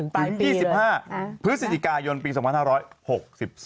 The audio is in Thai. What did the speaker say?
ถึงปี๒๕พฤศจิกายนปี๒๖๖๒นะครับ